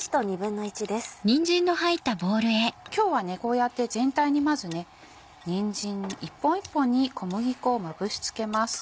今日はこうやって全体にまずねにんじん一本一本に小麦粉をまぶし付けます。